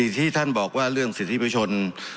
ที่ท่านบอกว่าเรื่องสิทธิประชน